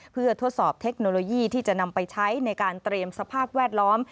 เพื่อทดสอบเทคโนโลยีที่จะนำไปใช้ในการเตรียมสภาพแวดล้อม